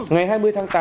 ngày hai mươi tháng tám